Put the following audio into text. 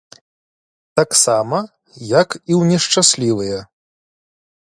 Таксама, як і ў нешчаслівыя.